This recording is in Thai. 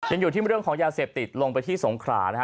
ยังอยู่ที่เรื่องของยาเสพติดลงไปที่สงขรานะฮะ